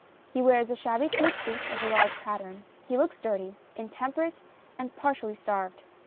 He wears a shabby tweed suit oj a large pattern. He looks dirty, in temperate and partially starved.